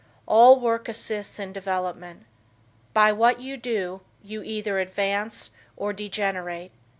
All work assists in development. By what you do you either advance or degenerate.